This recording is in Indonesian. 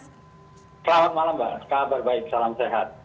selamat malam mbak kabar baik salam sehat